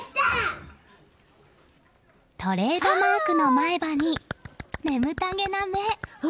トレードマークの前歯に眠たげな目。